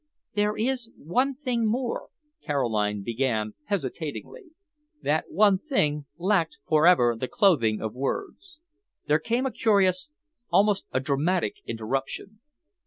"There is one thing more," Caroline began hesitatingly. That one thing lacked forever the clothing of words. There came a curious, almost a dramatic interruption.